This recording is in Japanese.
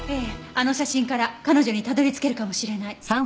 あの写真から彼女にたどり着けるかもしれない。